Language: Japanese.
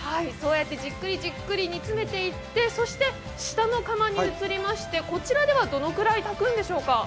そうやってじっくりじっくり煮詰めていって、下の釜に移りましてこちらではどのくらい炊くんでしょうか？